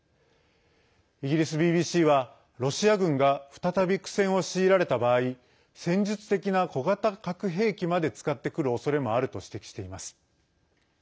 イギリスＢＢＣはロシア軍が再び苦戦を強いられた場合戦術的な小型核兵器まで使ってくるおそれもあると指摘しています。